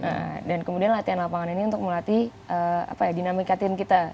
nah dan kemudian latihan lapangan ini untuk melatih apa ya dinamikatin kita